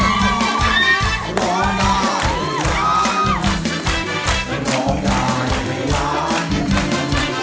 โหงได้โหงได้โหงได้โหงได้โหงได้